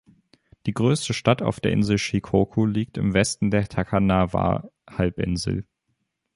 Die größte Stadt auf der Insel Shikoku liegt im Westen der Takanawa-Halbinsel.